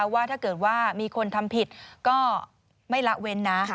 ว่าถ้าเกิดว่ามีคนทำผิดก็ไม่ละเว้นนะ